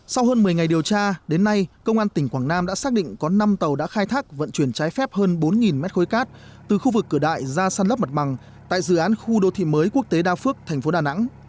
sau hơn một mươi ngày điều tra đến nay công an tỉnh quảng nam đã xác định có năm tàu đã khai thác vận chuyển trái phép hơn bốn mét khối cát từ khu vực cửa đại ra săn lấp mặt bằng tại dự án khu đô thị mới quốc tế đa phước tp đà nẵng